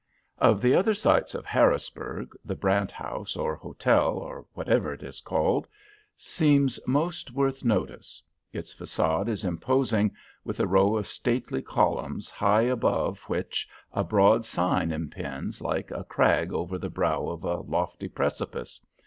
Of the other sights of Harrisburg the Brant House or Hotel, or whatever it is called, seems most worth notice. Its facade is imposing, with a row of stately columns, high above which a broad sign impends, like a crag over the brow of a lofty precipice.